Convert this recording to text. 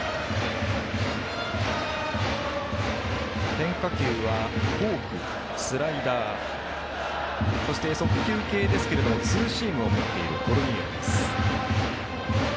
変化球はフォーク、スライダーそして速球系ですけれどもツーシームを持っているコルニエルです。